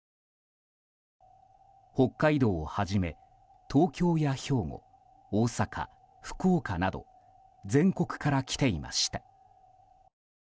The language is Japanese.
北海道をはじめ東京や兵庫、大阪、福岡など全国から来ていました。